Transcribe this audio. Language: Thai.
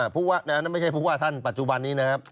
ถูกไหมครับอันนั้นไม่ใช่ผู้ว่าท่านปัจจุบันนี้นะครับ